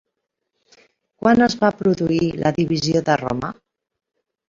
Quan es va produir la divisió de Roma?